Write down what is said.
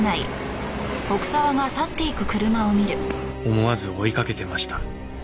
思わず追いかけてました。